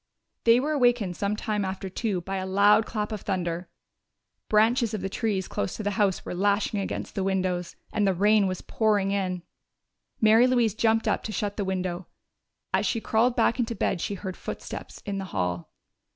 They were awakened sometime after two by a loud clap of thunder. Branches of the trees close to the house were lashing against the windows, and the rain was pouring in. Mary Louise jumped up to shut the window. As she crawled back into bed she heard footsteps in the hall.